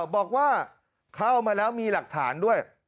บอกว่าเข้ามาแล้วมีหลักฐานด้วย